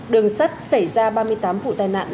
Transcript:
đường sắt xảy ra ba mươi tám vụ tai nạn